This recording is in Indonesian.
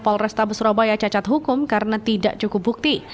polrestabes surabaya cacat hukum karena tidak cukup bukti